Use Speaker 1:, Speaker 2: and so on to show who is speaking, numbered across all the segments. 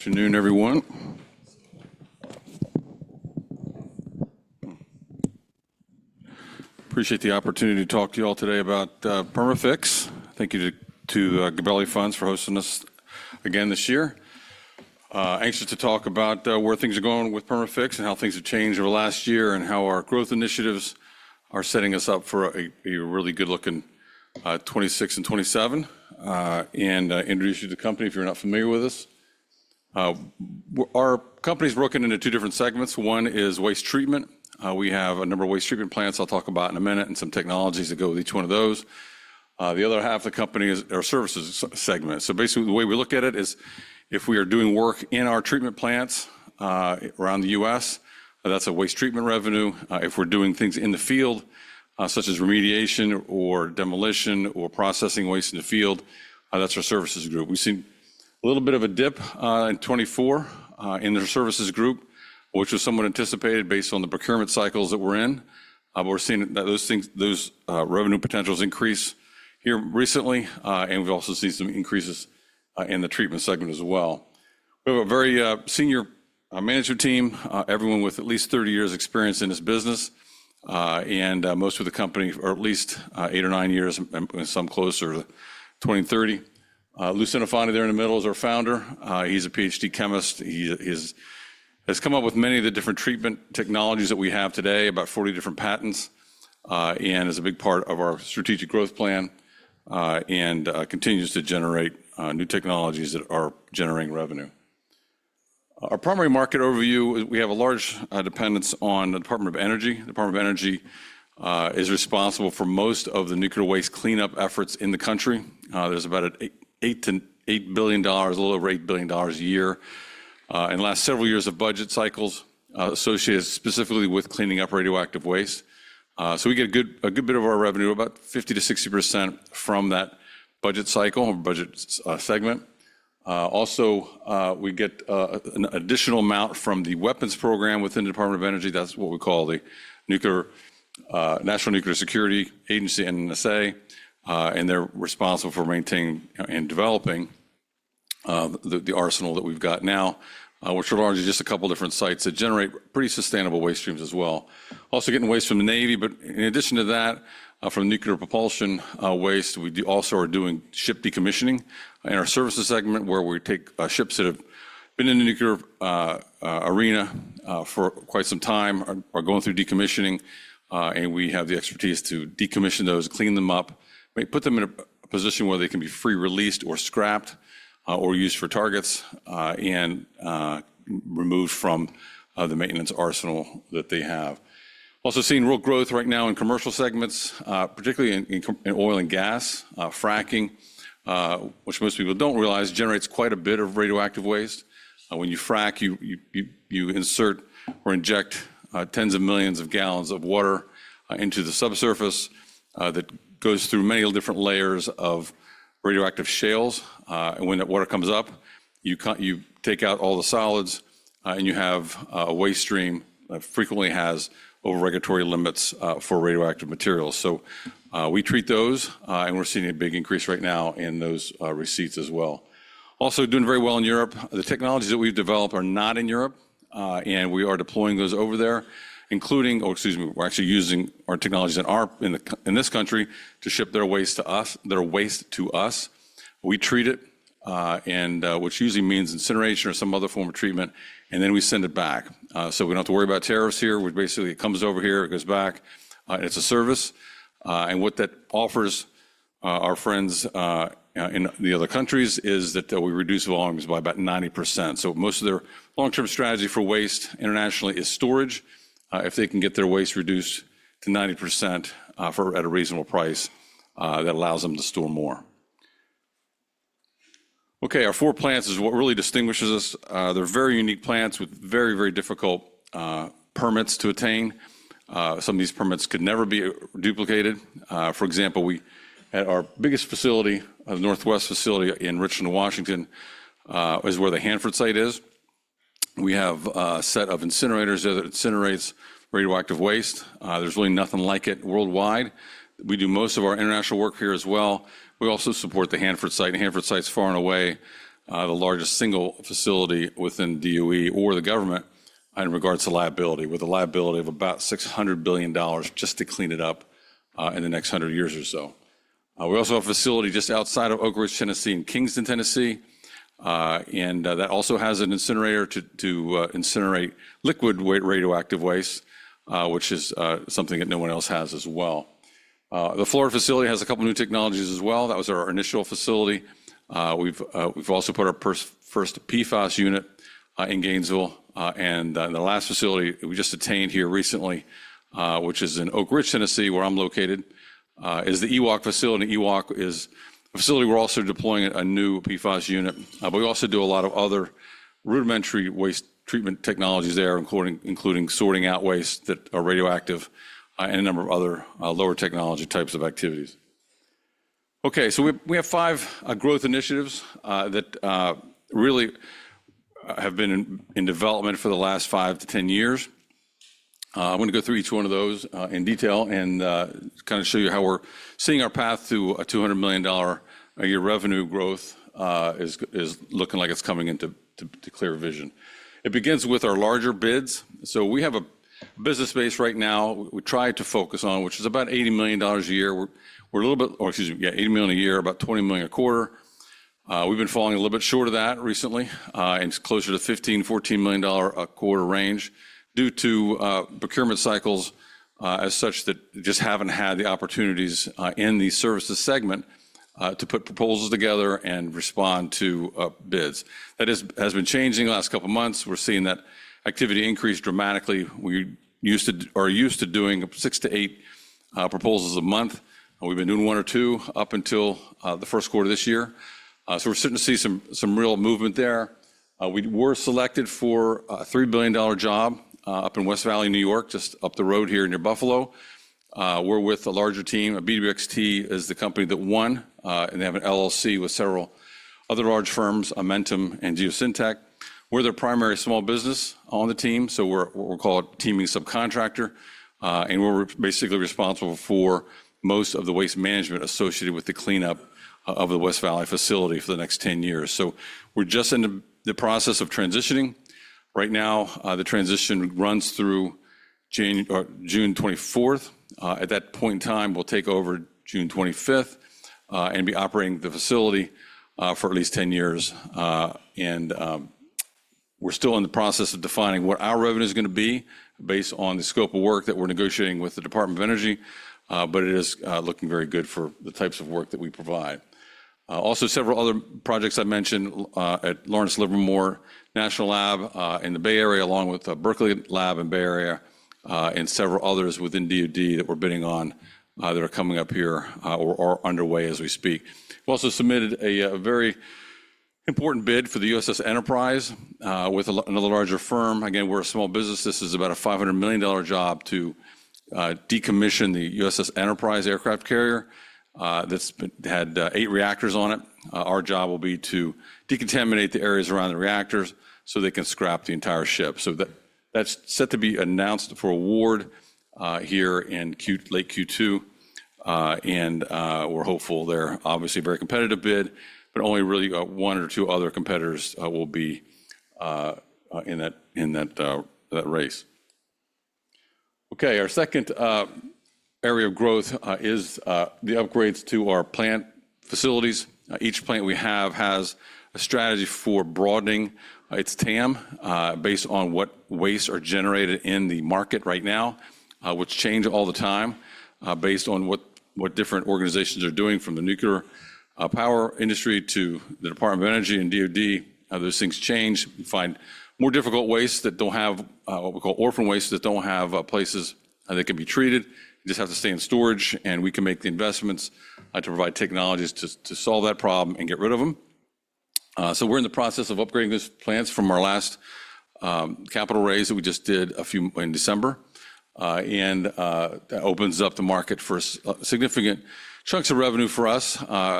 Speaker 1: Afternoon, everyone. Appreciate the opportunity to talk to you all today about Perma-Fix. Thank you to Gabelli Funds for hosting us again this year. Anxious to talk about where things are going with Perma-Fix and how things have changed over the last year and how our growth initiatives are setting us up for a really good-looking 2026 and 2027. Introduce you to the company if you're not familiar with us. Our company is broken into two different segments. One is waste treatment. We have a number of waste treatment plants I'll talk about in a minute and some technologies that go with each one of those. The other half of the company is our services segment. Basically, the way we look at it is if we are doing work in our treatment plants around the U.S., that's a waste treatment revenue. If we're doing things in the field, such as remediation or demolition or processing waste in the field, that's our services group. We've seen a little bit of a dip in 2024 in the services group, which was somewhat anticipated based on the procurement cycles that we're in. We're seeing that those revenue potentials increase here recently. We've also seen some increases in the treatment segment as well. We have a very senior management team, everyone with at least 30 years' experience in this business. Most of the company are at least eight or nine years and some closer to 20, 30. Louis Centofanti, there in the middle, is our founder. He's a PhD chemist. He has come up with many of the different treatment technologies that we have today, about 40 different patents, and is a big part of our strategic growth plan and continues to generate new technologies that are generating revenue. Our primary market overview, we have a large dependence on the Department of Energy. The Department of Energy is responsible for most of the nuclear waste cleanup efforts in the country. There is about an $8 billion, a little over $8 billion a year in the last several years of budget cycles associated specifically with cleaning up radioactive waste. We get a good bit of our revenue, about 50-60% from that budget cycle or budget segment. Also, we get an additional amount from the weapons program within the Department of Energy. That is what we call the National Nuclear Security Administration, NNSA. They are responsible for maintaining and developing the arsenal that we've got now, which are largely just a couple of different sites that generate pretty sustainable waste streams as well. Also getting waste from the Navy, but in addition to that, from nuclear propulsion waste, we also are doing ship decommissioning in our services segment where we take ships that have been in the nuclear arena for quite some time, are going through decommissioning. We have the expertise to decommission those, clean them up, put them in a position where they can be free-released or scrapped or used for targets and removed from the maintenance arsenal that they have. Also seeing real growth right now in commercial segments, particularly in oil and gas, fracking, which most people don't realize generates quite a bit of radioactive waste. When you frack, you insert or inject tens of millions of gallons of water into the subsurface that goes through many different layers of radioactive shales. When that water comes up, you take out all the solids and you have a waste stream that frequently has over-regulatory limits for radioactive materials. We treat those, and we're seeing a big increase right now in those receipts as well. Also doing very well in Europe. The technologies that we've developed are not in Europe, and we are deploying those over there, including—oh, excuse me—we're actually using our technologies in this country to ship their waste to us, their waste to us. We treat it, which usually means incineration or some other form of treatment, and then we send it back. We don't have to worry about tariffs here. Basically, it comes over here, it goes back, and it's a service. What that offers our friends in the other countries is that we reduce volumes by about 90%. Most of their long-term strategy for waste internationally is storage. If they can get their waste reduced to 90% at a reasonable price, that allows them to store more. Our four plants is what really distinguishes us. They're very unique plants with very, very difficult permits to attain. Some of these permits could never be duplicated. For example, at our biggest facility, the Northwest facility in Richland, Washington, which is where the Hanford site is, we have a set of incinerators that incinerates radioactive waste. There's really nothing like it worldwide. We do most of our international work here as well. We also support the Hanford site. The Hanford site is far and away the largest single facility within the Department of Energy or the government in regards to liability, with a liability of about $600 billion just to clean it up in the next 100 years or so. We also have a facility just outside of Oak Ridge, Tennessee, in Kingston, Tennessee. That also has an incinerator to incinerate liquid radioactive waste, which is something that no one else has as well. The Florida facility has a couple of new technologies as well. That was our initial facility. We've also put our first PFAS unit in Gainesville. The last facility we just attained here recently, which is in Oak Ridge, Tennessee, where I'm located, is the EWOC facility. EWOC is a facility we're also deploying a new PFAS unit. We also do a lot of other rudimentary waste treatment technologies there, including sorting out waste that are radioactive and a number of other lower technology types of activities. Okay, we have five growth initiatives that really have been in development for the last five to ten years. I want to go through each one of those in detail and kind of show you how we're seeing our path to a $200 million a year revenue growth is looking like it's coming into clear vision. It begins with our larger bids. We have a business base right now we try to focus on, which is about $80 million a year. We're a little bit—oh, excuse me—yeah, $80 million a year, about $20 million a quarter. We've been falling a little bit short of that recently and closer to $15 million-$14 million a quarter range due to procurement cycles as such that just haven't had the opportunities in the services segment to put proposals together and respond to bids. That has been changing the last couple of months. We're seeing that activity increase dramatically. We are used to doing six to eight proposals a month. We've been doing one or two up until the first quarter of this year. We're starting to see some real movement there. We were selected for a $3 billion job up in West Valley, New York, just up the road here near Buffalo. We're with a larger team. BWXT is the company that won, and they have an LLC with several other large firms, Amentum and Geosyntec. We're their primary small business on the team. We're what we call a teaming subcontractor. We're basically responsible for most of the waste management associated with the cleanup of the West Valley facility for the next 10 years. We're just in the process of transitioning. Right now, the transition runs through June 24. At that point in time, we'll take over June 25 and be operating the facility for at least 10 years. We're still in the process of defining what our revenue is going to be based on the scope of work that we're negotiating with the Department of Energy. It is looking very good for the types of work that we provide. Also, several other projects I mentioned at Lawrence Livermore National Lab in the Bay Area, along with Berkeley Lab in the Bay Area, and several others within DOD that we're bidding on that are coming up here or are underway as we speak. We also submitted a very important bid for the USS Enterprise with another larger firm. Again, we're a small business. This is about a $500 million job to decommission the USS Enterprise aircraft carrier that had eight reactors on it. Our job will be to decontaminate the areas around the reactors so they can scrap the entire ship. That is set to be announced for award here in late Q2. We're hopeful. They're obviously a very competitive bid, but only really one or two other competitors will be in that race. Our second area of growth is the upgrades to our plant facilities. Each plant we have has a strategy for broadening its TAM based on what waste are generated in the market right now, which change all the time based on what different organizations are doing from the nuclear power industry to the Department of Energy and DOD. Those things change. We find more difficult waste that don't have what we call orphan waste that don't have places that can be treated. You just have to stay in storage, and we can make the investments to provide technologies to solve that problem and get rid of them. We are in the process of upgrading these plants from our last capital raise that we just did in December. That opens up the market for significant chunks of revenue for us,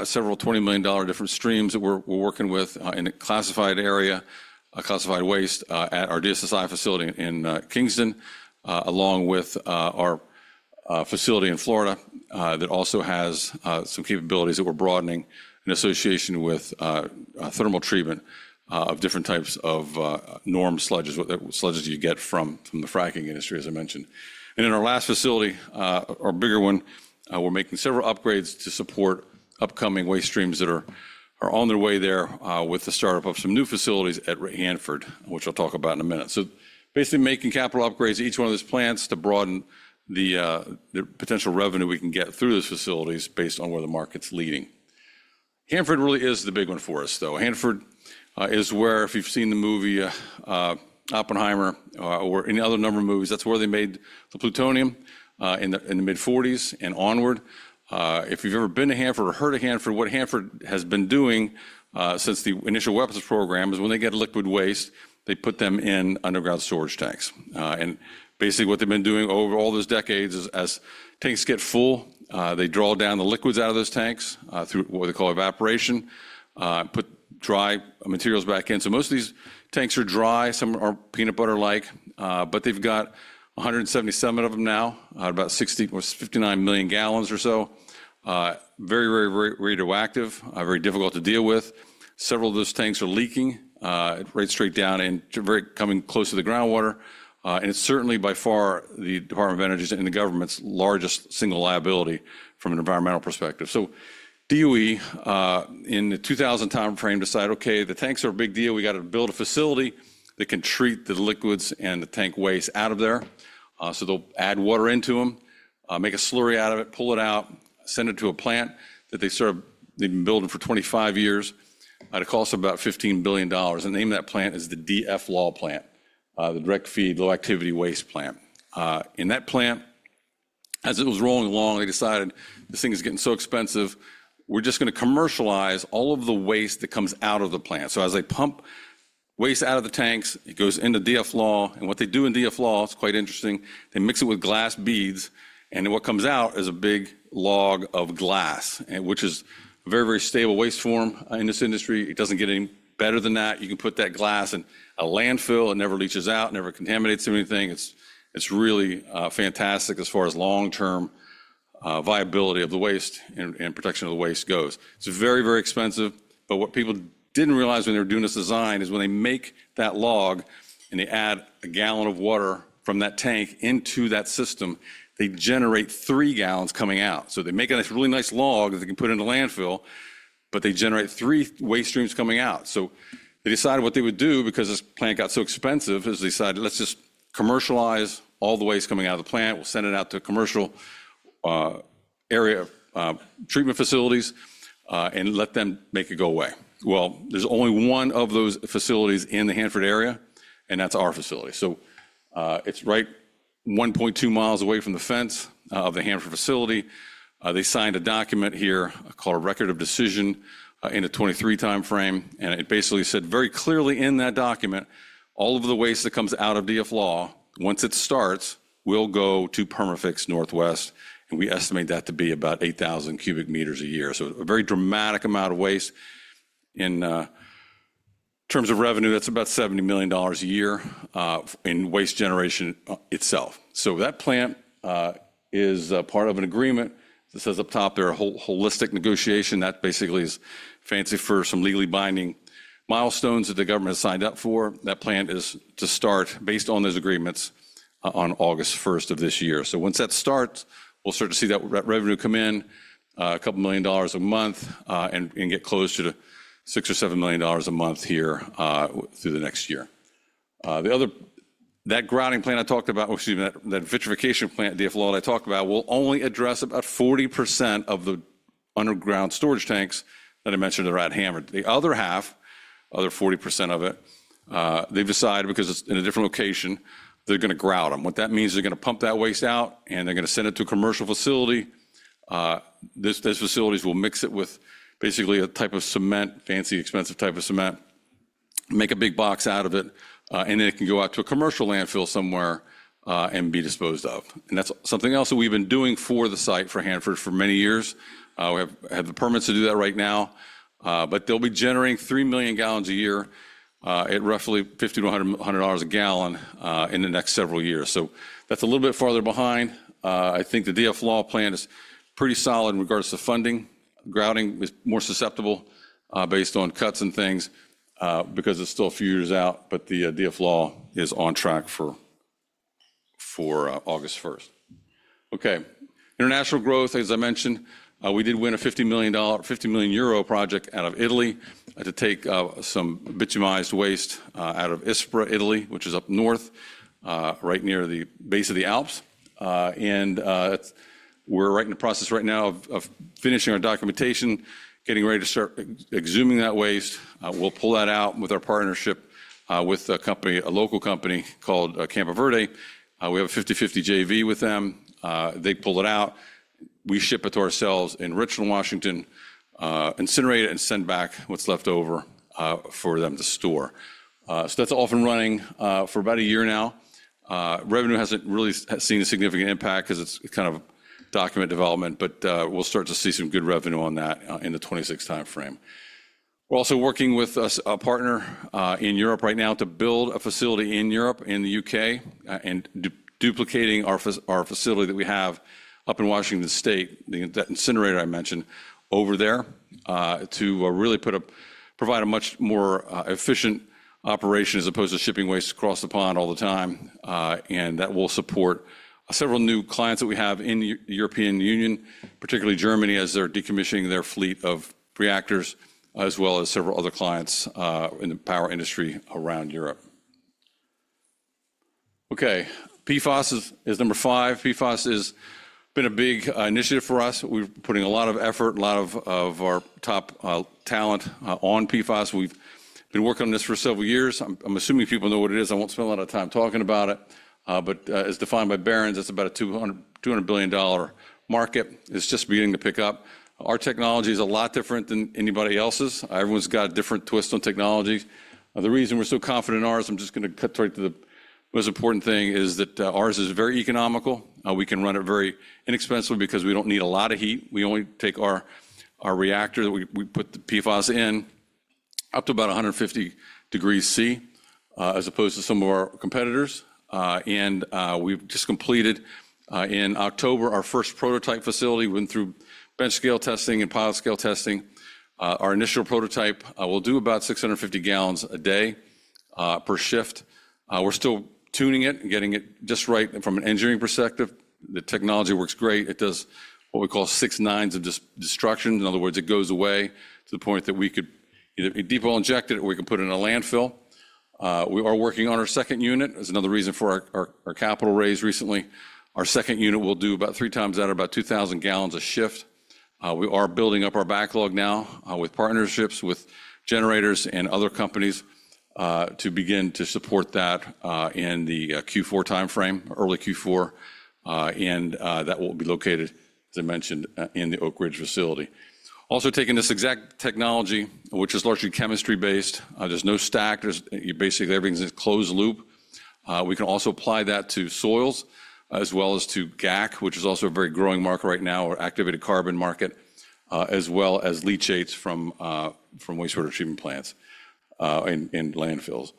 Speaker 1: several $20 million different streams that we're working with in a classified area, classified waste at our DSSI facility in Kingston, along with our facility in Florida that also has some capabilities that we're broadening in association with thermal treatment of different types of NORM sludges, what sludges you get from the fracking industry, as I mentioned. In our last facility, our bigger one, we're making several upgrades to support upcoming waste streams that are on their way there with the startup of some new facilities at Hanford, which I'll talk about in a minute. Basically making capital upgrades to each one of these plants to broaden the potential revenue we can get through these facilities based on where the market's leading. Hanford really is the big one for us, though. Hanford is where, if you've seen the movie Oppenheimer or any other number of movies, that's where they made the plutonium in the mid-1940s and onward. If you've ever been to Hanford or heard of Hanford, what Hanford has been doing since the initial weapons program is when they get liquid waste, they put them in underground storage tanks. Basically what they've been doing over all those decades is as tanks get full, they draw down the liquids out of those tanks through what they call evaporation, put dry materials back in. Most of these tanks are dry, some are peanut butter-like, but they've got 177 of them now, about 59 million gallons or so. Very, very radioactive, very difficult to deal with. Several of those tanks are leaking right straight down and coming close to the groundwater. It is certainly by far the Department of Energy's and the government's largest single liability from an environmental perspective. DOE in the 2000 timeframe decided, okay, the tanks are a big deal. We got to build a facility that can treat the liquids and the tank waste out of there. They will add water into them, make a slurry out of it, pull it out, send it to a plant that they have been building for 25 years. It costs about $15 billion. The name of that plant is the DFLAW Plant, the Direct Feed Low-Activity Waste Plant. In that plant, as it was rolling along, they decided this thing is getting so expensive, we are just going to commercialize all of the waste that comes out of the plant. As they pump waste out of the tanks, it goes into DFLAW. What they do in DFLAW, it's quite interesting, they mix it with glass beads. What comes out is a big log of glass, which is a very, very stable waste form in this industry. It doesn't get any better than that. You can put that glass in a landfill. It never leaches out, never contaminates anything. It's really fantastic as far as long-term viability of the waste and protection of the waste goes. It's very, very expensive. What people didn't realize when they were doing this design is when they make that log and they add a gallon of water from that tank into that system, they generate three gallons coming out. They make a really nice log that they can put in the landfill, but they generate three waste streams coming out. They decided what they would do because this plant got so expensive is they decided, let's just commercialize all the waste coming out of the plant. We'll send it out to a commercial area of treatment facilities and let them make it go away. There's only one of those facilities in the Hanford area, and that's our facility. It's right 1.2 miles away from the fence of the Hanford facility. They signed a document here called a Record of Decision in a 2023 timeframe. It basically said very clearly in that document, all of the waste that comes out of DFLAW, once it starts, will go to Perma-Fix Northwest. We estimate that to be about 8,000 cubic meters a year. A very dramatic amount of waste. In terms of revenue, that's about $70 million a year in waste generation itself. That plant is part of an agreement that says up top there are holistic negotiation. That basically is fancy for some legally binding milestones that the government has signed up for. That plant is to start based on those agreements on August 1 of this year. Once that starts, we'll start to see that revenue come in a couple of million dollars a month and get close to $6 million-$7 million a month here through the next year. That grouting plant I talked about, excuse me, that vitrification plant at DFLAW that I talked about will only address about 40% of the underground storage tanks that I mentioned that are at Hanford. The other half, other 40% of it, they've decided because it's in a different location, they're going to grout them. What that means is they're going to pump that waste out and they're going to send it to a commercial facility. Those facilities will mix it with basically a type of cement, fancy, expensive type of cement, make a big box out of it, and then it can go out to a commercial landfill somewhere and be disposed of. That is something else that we've been doing for the site for Hanford for many years. We have the permits to do that right now. They'll be generating 3 million gallons a year at roughly $50-$100 a gallon in the next several years. That is a little bit farther behind. I think the DFLAW plant is pretty solid in regards to funding. Grouting is more susceptible based on cuts and things because it's still a few years out, but the DFLAW is on track for August 1. International growth, as I mentioned, we did win a 50 million project out of Italy to take some bituminized waste out of Ispra, Italy, which is up north, right near the base of the Alps. We're right in the process right now of finishing our documentation, getting ready to start exhuming that waste. We'll pull that out with our partnership with a local company called Campo Verde. We have a 50/50 JV with them. They pull it out. We ship it to ourselves in Richland, Washington, incinerate it, and send back what's left over for them to store. That's off and running for about a year now. Revenue hasn't really seen a significant impact because it's kind of document development, but we'll start to see some good revenue on that in the 2026 timeframe. We're also working with a partner in Europe right now to build a facility in Europe, in the U.K., and duplicating our facility that we have up in Washington State, the incinerator I mentioned over there, to really provide a much more efficient operation as opposed to shipping waste across the pond all the time. That will support several new clients that we have in the European Union, particularly Germany, as they're decommissioning their fleet of reactors, as well as several other clients in the power industry around Europe. Okay, PFAS is number five. PFAS has been a big initiative for us. We're putting a lot of effort, a lot of our top talent on PFAS. We've been working on this for several years. I'm assuming people know what it is. I won't spend a lot of time talking about it. As defined by Barron's, it's about a $200 billion market. It's just beginning to pick up. Our technology is a lot different than anybody else's. Everyone's got a different twist on technology. The reason we're so confident in ours, I'm just going to cut straight to the most important thing, is that ours is very economical. We can run it very inexpensively because we don't need a lot of heat. We only take our reactor that we put the PFAS in up to about 150 degrees Celsius as opposed to some of our competitors. We've just completed in October our first prototype facility. We went through bench-scale testing and pilot-scale testing. Our initial prototype will do about 650 gallons a day per shift. We're still tuning it and getting it just right from an engineering perspective. The technology works great. It does what we call six nines of destruction. In other words, it goes away to the point that we could either deep well inject it or we can put it in a landfill. We are working on our second unit. That's another reason for our capital raise recently. Our second unit will do about three times that, about 2,000 gallons a shift. We are building up our backlog now with partnerships with generators and other companies to begin to support that in the Q4 timeframe, early Q4. That will be located, as I mentioned, in the Oak Ridge facility. Also taking this exact technology, which is largely chemistry-based, there's no stack. Basically, everything's in a closed loop. We can also apply that to soils as well as to GAC, which is also a very growing market right now, or activated carbon market, as well as leachates from wastewater treatment plants in landfills.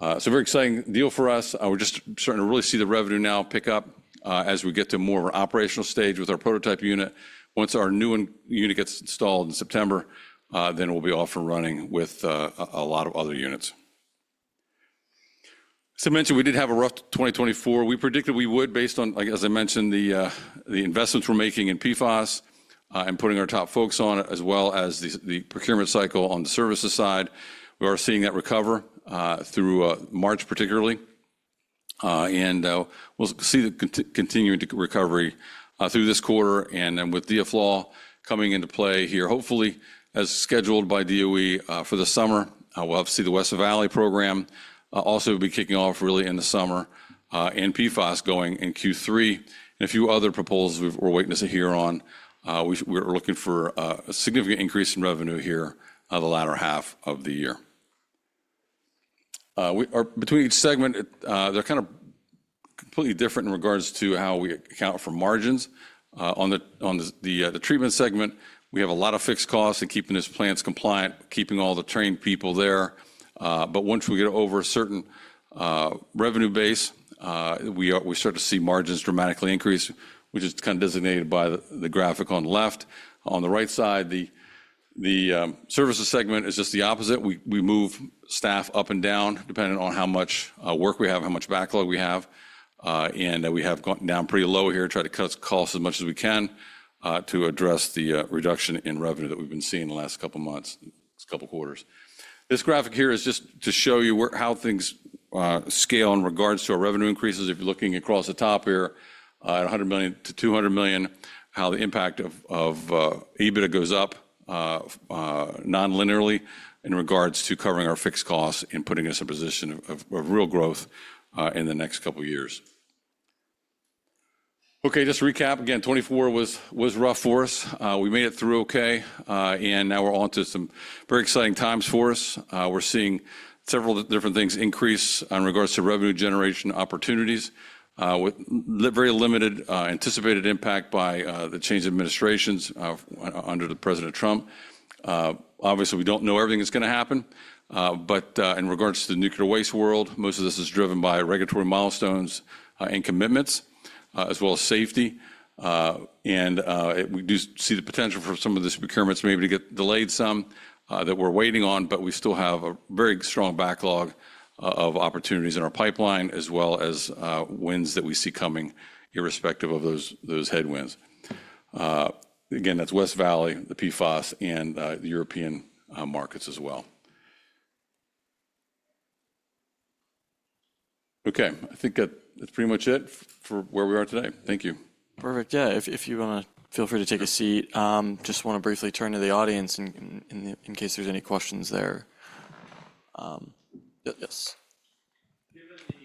Speaker 1: It's a very exciting deal for us. We're just starting to really see the revenue now pick up as we get to more of an operational stage with our prototype unit. Once our new unit gets installed in September, we will be off and running with a lot of other units. As I mentioned, we did have a rough 2024. We predicted we would, based on, as I mentioned, the investments we're making in PFAS and putting our top folks on it, as well as the procurement cycle on the services side. We are seeing that recover through March, particularly. We will see the continuing recovery through this quarter. With DFLAW coming into play here, hopefully as scheduled by DOE for the summer, we'll have to see the West Valley program also be kicking off really in the summer and PFAS going in Q3 and a few other proposals we're witnessing here on. We're looking for a significant increase in revenue here the latter half of the year. Between each segment, they're kind of completely different in regards to how we account for margins. On the treatment segment, we have a lot of fixed costs in keeping these plants compliant, keeping all the trained people there. But once we get over a certain revenue base, we start to see margins dramatically increase, which is kind of designated by the graphic on the left. On the right side, the services segment is just the opposite. We move staff up and down depending on how much work we have, how much backlog we have. We have gone down pretty low here to try to cut costs as much as we can to address the reduction in revenue that we've been seeing in the last couple of months, couple of quarters. This graphic here is just to show you how things scale in regards to our revenue increases. If you're looking across the top here at $100 million-$200 million, how the impact of EBITDA goes up non-linearly in regards to covering our fixed costs and putting us in a position of real growth in the next couple of years. Okay, just to recap, again, 2024 was rough for us. We made it through okay. Now we're on to some very exciting times for us. We're seeing several different things increase in regards to revenue generation opportunities with very limited anticipated impact by the change of administrations under President Trump. Obviously, we don't know everything that's going to happen. In regards to the nuclear waste world, most of this is driven by regulatory milestones and commitments, as well as safety. We do see the potential for some of these procurements maybe to get delayed, some that we're waiting on, but we still have a very strong backlog of opportunities in our pipeline, as well as wins that we see coming irrespective of those headwinds. That's West Valley, the PFAS, and the European markets as well. Okay, I think that's pretty much it for where we are today. Thank you.
Speaker 2: Perfect. Yeah, if you want to, feel free to take a seat. Just want to briefly turn to the audience in case there's any questions there. Yes. Given the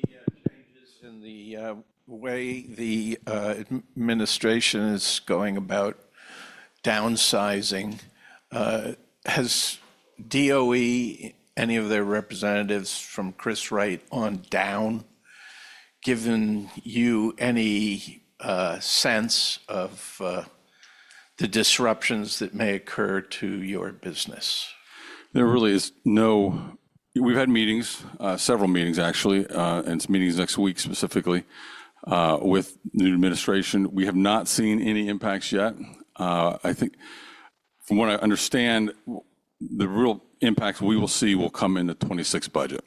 Speaker 2: changes in the way the administration is going about downsizing, has DOE, any of their representatives from Chris Wright on down, given you any sense of the disruptions that may occur to your business?
Speaker 1: There really is no. We've had meetings, several meetings actually, and it's meetings next week specifically with the new administration. We have not seen any impacts yet. I think from what I understand, the real impacts we will see will come in the 2026 budget.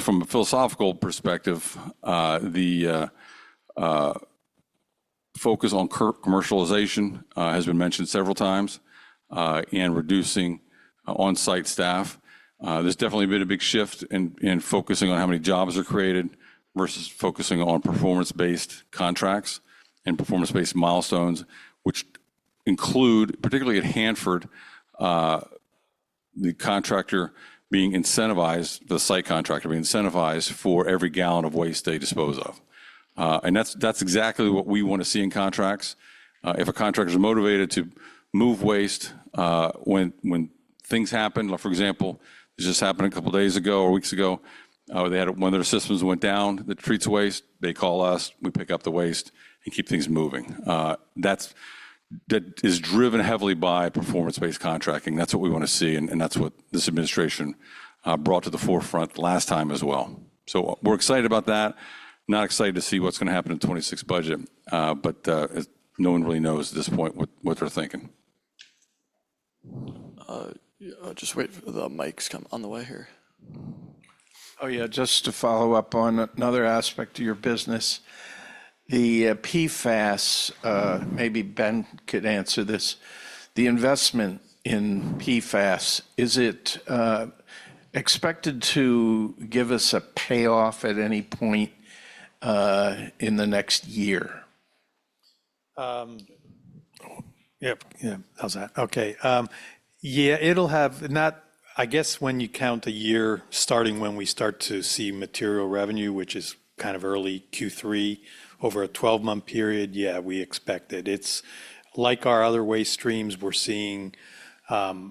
Speaker 1: From a philosophical perspective, the focus on commercialization has been mentioned several times and reducing on-site staff. There's definitely been a big shift in focusing on how many jobs are created versus focusing on performance-based contracts and performance-based milestones, which include, particularly at Hanford, the contractor being incentivized, the site contractor being incentivized for every gallon of waste they dispose of. That's exactly what we want to see in contracts. If a contractor is motivated to move waste when things happen, for example, this just happened a couple of days ago or weeks ago, when their systems went down that treats waste, they call us, we pick up the waste and keep things moving. That is driven heavily by performance-based contracting. That's what we want to see. That's what this administration brought to the forefront last time as well. We're excited about that, not excited to see what's going to happen in the 2026 budget. No one really knows at this point what they're thinking.
Speaker 2: Just wait for the mics to come on the way here. Oh yeah, just to follow up on another aspect of your business, the PFAS, maybe Ben could answer this, the investment in PFAS, is it expected to give us a payoff at any point in the next year?
Speaker 3: Yeah, how's that? Okay. Yeah, it'll have not, I guess when you count a year starting when we start to see material revenue, which is kind of early Q3 over a 12-month period, yeah, we expect it. It's like our other waste streams. We're seeing very high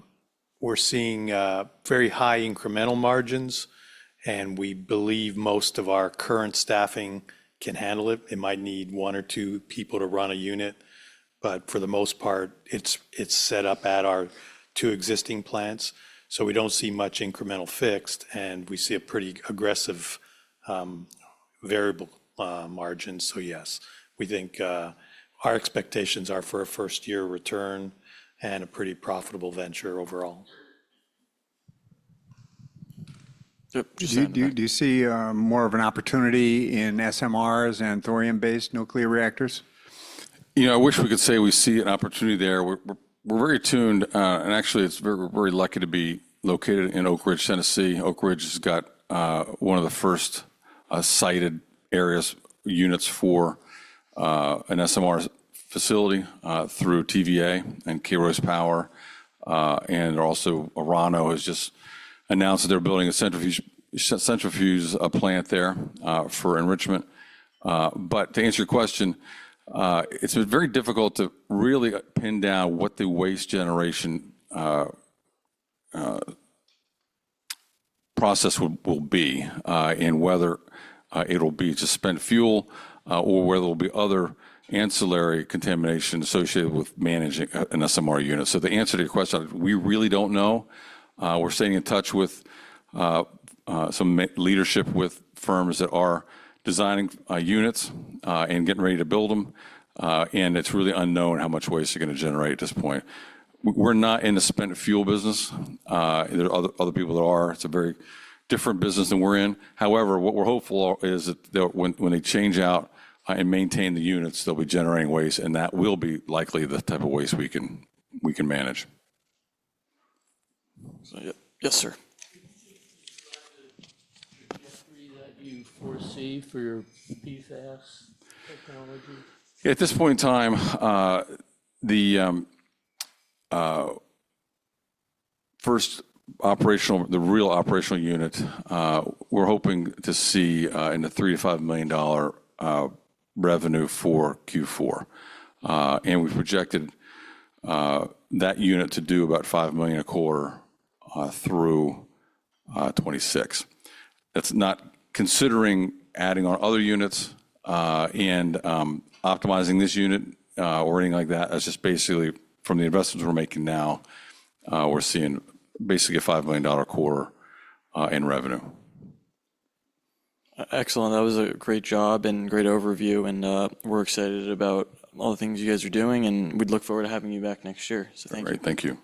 Speaker 3: incremental margins. And we believe most of our current staffing can handle it. It might need one or two people to run a unit. For the most part, it's set up at our two existing plants. We don't see much incremental fixed, and we see a pretty aggressive variable margin. Yes, we think our expectations are for a first-year return and a pretty profitable venture overall. Do you see more of an opportunity in SMRs and thorium-based nuclear reactors?
Speaker 1: You know, I wish we could say we see an opportunity there. We're very tuned, and actually, it's very lucky to be located in Oak Ridge, Tennessee. Oak Ridge has got one of the first sited areas, units for an SMR facility through TVA and Kairos Power. Also, Orano has just announced that they're building a centrifuge plant there for enrichment. To answer your question, it's been very difficult to really pin down what the waste generation process will be and whether it'll be suspended fuel or whether there will be other ancillary contamination associated with managing an SMR unit. To answer your question, we really don't know. We're staying in touch with some leadership with firms that are designing units and getting ready to build them. It's really unknown how much waste you're going to generate at this point. We're not in the spent fuel business. There are other people that are. It's a very different business than we're in. However, what we're hopeful is that when they change out and maintain the units, they'll be generating waste. That will be likely the type of waste we can manage. Yes, sir. Do you see anything that you foresee for your PFAS technology? At this point in time, the first operational, the real operational unit, we're hoping to see in the $3 million-$5 million revenue for Q4. We've projected that unit to do about $5 million a quarter through 2026. That's not considering adding on other units and optimizing this unit or anything like that. That's just basically from the investments we're making now, we're seeing basically a $5 million quarter in revenue.
Speaker 2: Excellent. That was a great job and great overview. We're excited about all the things you guys are doing. We'd look forward to having you back next year. Thank you. All right.
Speaker 1: Thank you.